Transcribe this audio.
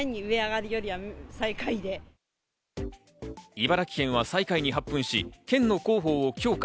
茨城県は最下位に発奮し、県の広報を強化。